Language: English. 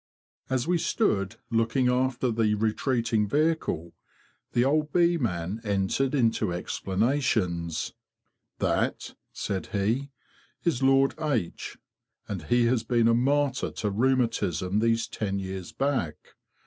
As we stood looking after the retreating vehicle, the old bee man entered into explanations. "' That,"' said he, ''is Lord H , and he has been a martyr to rheumatism these ten years back.